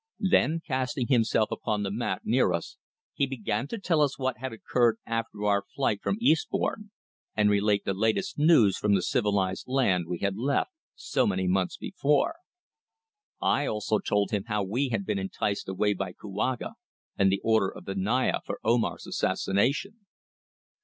Then, casting himself upon the mat near us, he began to tell us what had occurred after our flight from Eastbourne, and relate the latest news from the civilised land we had left so many months before. I also told him how we had been enticed away by Kouaga, and the order of the Naya for Omar's assassination.